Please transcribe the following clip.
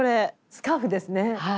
スカーフですね。